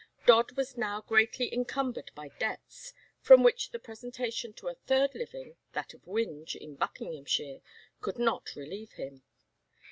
Dodd was now greatly encumbered by debts, from which the presentation to a third living, that of Winge, in Buckinghamshire, could not relieve him.